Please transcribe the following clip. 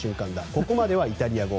ここまではイタリア語。